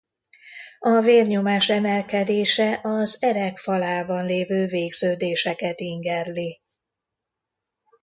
A vérnyomás emelkedése az erek falában lévő végződéseket ingerli.